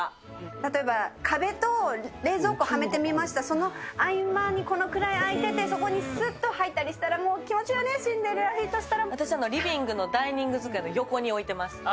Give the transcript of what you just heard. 例えば、壁と冷蔵庫、はめてみました、その合間にこのくらいあいてて、そこにすっと入ったりしたら、もう気持ちいいよね、私、リビングのダイニング机の横に置いてます。